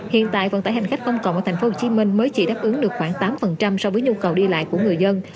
hiện tại vận tải hành khách công cộng ở tp hcm mới chỉ đáp ứng được khoảng tám so với nhu cầu đi lại của người dân